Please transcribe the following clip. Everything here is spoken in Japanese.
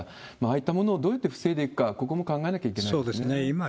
ああいったものをどうやって防いでいくか、ここも考えなきゃいけそうですね。